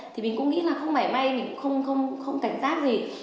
thì mình cũng nghĩ là không mảy may mình cũng không cảnh giác gì